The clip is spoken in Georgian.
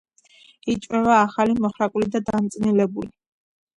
იჭმება ახალი, მოხრაკული და დამწნილებული.